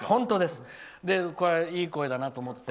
これはいい声だなと思って。